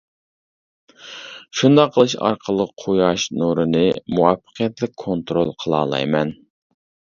شۇنداق قىلىش ئارقىلىق قۇياش نۇرىنى مۇۋەپپەقىيەتلىك كونترول قىلالايمەن.